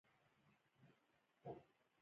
بزګران خپلو حاصلاتو ته مناسب بازار مومي.